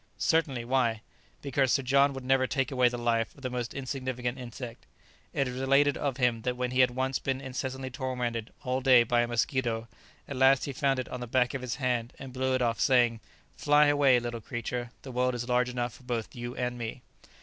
"Certainly; why?" "Because Sir John would never take away the life of the most insignificant insect; it is related of him that when he had once been incessantly tormented all day by a mosquito, at last he found it on the back of his hand and blew it off, saying, 'Fly away, little creature, the world is large enough for both you and me!'"